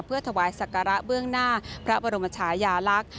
เพื่อถวายศักระเบื้องหน้าพระบรมชายาลักษณ์